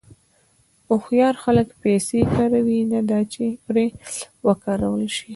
هوښیار خلک پیسې کاروي، نه دا چې پرې وکارول شي.